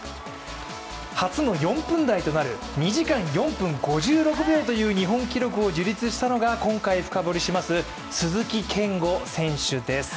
初の４分台となる２時間４分５６秒という日本記録を樹立したのが今回深掘りします、鈴木健吾選手です。